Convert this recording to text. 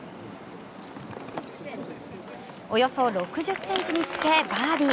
およそ６０ｃｍにつけバーディー。